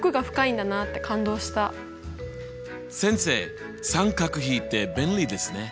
先生三角比って便利ですね。